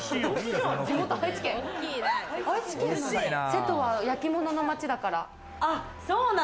瀬戸は焼き物の町だから。